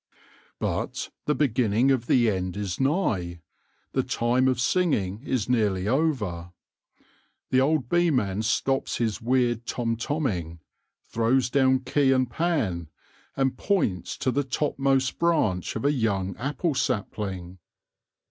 But the beginning of the end is nigh ; the time of singing is nearly over. The old beeman stops his weird tom tomming, throws down key and pan, and points to the topmost branch of a young apple sapling.